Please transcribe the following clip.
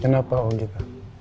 kenapa oh gitu